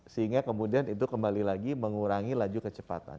sehingga kemudian itu kembali lagi mengurangi laju kecepatan